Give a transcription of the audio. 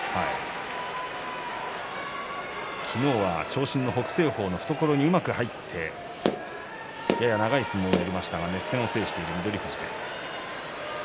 昨日は長身の北青鵬の懐にうまく入ってやや長い相撲になりましたが熱戦を制している翠富士です。